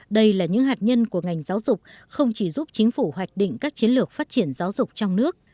đây là những hạt nhân của ngành giáo dục không chỉ giúp chính phủ hoạch định các chiến lược phát triển giáo dục trong nước